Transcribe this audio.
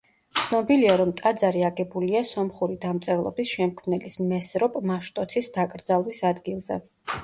ცნობილია, რომ ტაძარი აგებულია სომხური დამწერლობის შემქმნელის, მესროპ მაშტოცის დაკრძალვის ადგილზე.